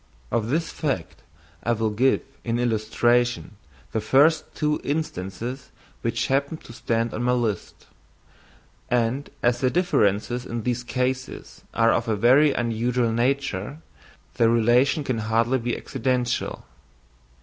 Of this fact I will give in illustration the first two instances which happen to stand on my list; and as the differences in these cases are of a very unusual nature, the relation can hardly be accidental.